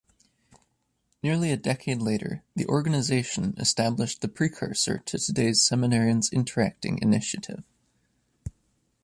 Nearly a decade later, the organization established the precursor to today's Seminarians Interacting initiative.